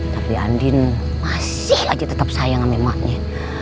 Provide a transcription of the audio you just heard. tapi andin masih aja tetep sayang sama emaknya